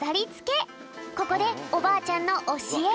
ここでおばあちゃんのおしえが。